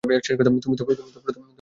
তুমিই তো প্রথম না।